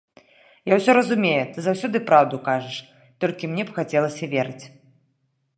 Я ўсё разумею, ты заўсёды праўду кажаш, толькі мне б хацелася верыць.